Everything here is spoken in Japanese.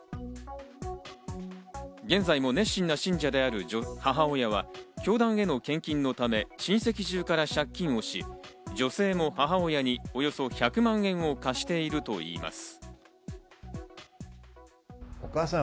現在も熱心な信者である母親は、教団への献金のため親戚中から借金をし、女性も母親におよそ１００万円を貸しているといいます。